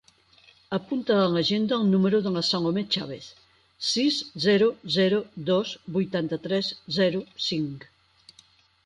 Apunta a l'agenda el número de la Salomé Chavez: sis, zero, zero, dos, vuitanta-tres, zero, cinc.